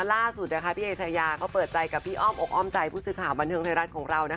ล่าสุดพี่เอชายาก็เปิดใจกับพี่อ้อมอกอ้อมใจผู้สื่อข่าวบันเทิงไทยรัฐของเรา